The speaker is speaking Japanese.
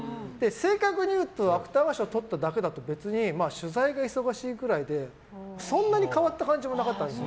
正確にいうと芥川賞とっただけだと別に取材が忙しいくらいでそんなに変わった感じはなかったんです